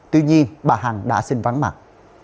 tuy nhiên bà hằng đã xin vắng mặt